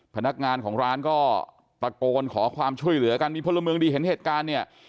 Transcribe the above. พนักงานของร้านก็ตะโกนขอความช่วยเหลือกันมีพลเมืองดีเห็นเหตุการณ์เนี่ย